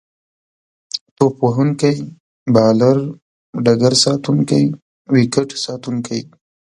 توپ وهونکی، بالر، ډګرساتونکی، ويکټ ساتونکی